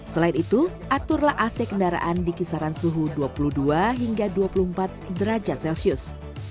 selain itu aturlah ac kendaraan di kisaran suhu dua puluh dua hingga dua puluh empat derajat celcius